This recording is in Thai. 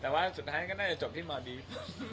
แต่ว่าสุดท้ายก็น่าจะจบที่มดีฟ